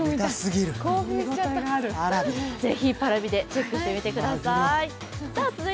ぜひＰａｒａｖｉでチェックしてみてください。